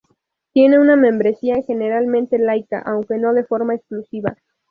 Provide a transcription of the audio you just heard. Tiene una membresía generalmente laica, aunque no de forma exclusiva.